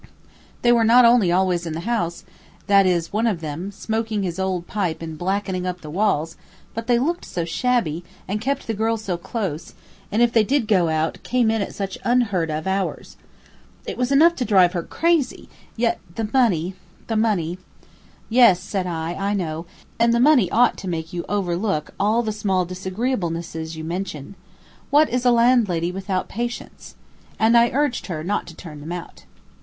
They were not only always in the house, that is one of them, smoking his old pipe and blackening up the walls, but they looked so shabby, and kept the girl so close, and if they did go out, came in at such unheard of hours. It was enough to drive her crazy; yet the money, the money "Yes," said I, "I know; and the money ought to make you overlook all the small disagreeablenesses you mention. What is a landlady without patience." And I urged her not to turn them out.